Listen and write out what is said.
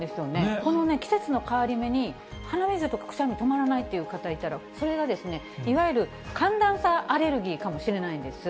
この季節の変わり目に、鼻水とかくしゃみ止まらないっていう方いたら、それがいわゆる寒暖差アレルギーかもしれないんです。